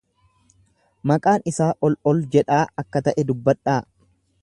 Maqaan isaa ol ol jedhaa akka ta'e dubbadhaa.